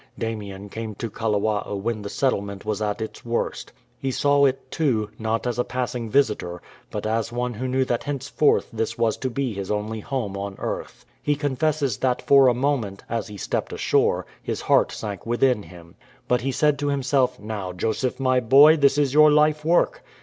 Damien came to Kalawao when the settlement was at its worst. He saw it too, not as a passing visitor, but as one who knew that hence forth this was to be his only home on earth. He confesses that for a moment, as he stepped ashore, his heart sank within him. But he said to himself, "Now, Joseph, my boy, this is your life work